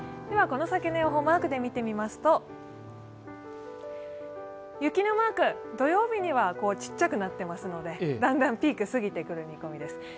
この先の予報をマークして見てみますと、雪のマーク、土曜日にはちっちゃくなっていますのでだんだんピークを過ぎてくる見込みです。